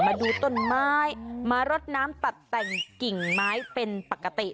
มาดูต้นไม้มารดน้ำตัดแต่งกิ่งไม้เป็นปกติ